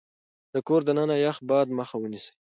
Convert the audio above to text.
د کور دننه يخ باد مخه ونيسئ.